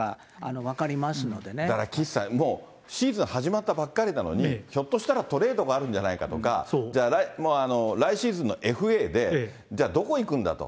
だから岸さん、シーズン始まったばっかりなのに、ひょっとしたらトレードがあるんじゃないかとか、じゃあもう来シーズンのＦＡで、じゃあどこ行くんだと。